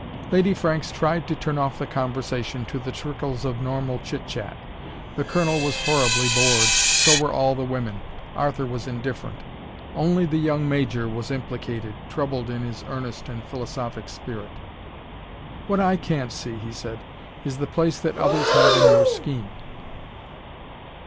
Lady Franks tried to turn off the conversation to the trickles of normal chit chat. The Colonel was horribly bored so were all the women Arthur was indifferent. Only the young Major was implicated, troubled in his earnest and philosophic spirit. "What I can't see," he said, "is the place that others have in your scheme."